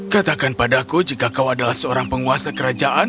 katakan padaku jika kau adalah seorang penguasa kerajaan